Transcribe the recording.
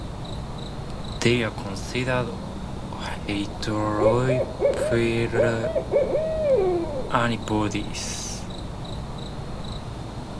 These are considered heterophile antibodies.